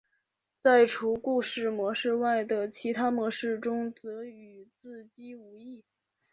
在除故事模式外的其他模式中则与自机无异。